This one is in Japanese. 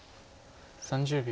３０秒。